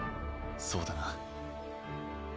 そうだな。